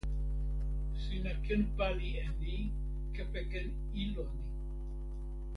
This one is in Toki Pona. sina ken pali e ni kepeken ilo ni.